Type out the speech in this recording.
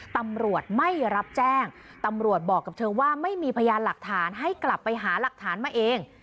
ตำรวจไม่รับแจ้งตำรวจบอกกับเธอว่าไม่มีพยานหลักฐานให้กลับไปหาหลักฐานมาเอง